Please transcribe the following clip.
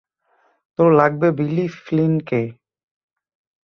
তোর লাগবে বিলি ফ্লিনকে।